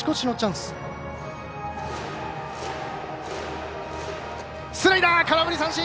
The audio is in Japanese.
スライダー、空振り三振！